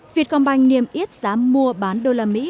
việt công banh niêm yết giá mua bán đô la mỹ